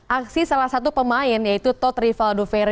aksi salah satu pemain yaitu tod rivaldo vera